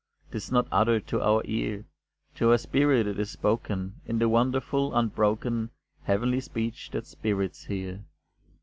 'Tis not uttered to our ear, To our spirit it is spoken, In the wonderful, unbroken Heavenly speech that spirits hear.